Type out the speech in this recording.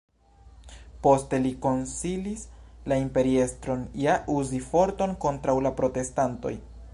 Poste li konsilis la imperiestron ja uzi forton kontraŭ la protestantoj.